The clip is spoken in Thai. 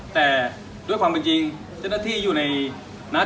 แต่ด้วยความเป็นจริงเจ้าหน้าที่อยู่ในนั้น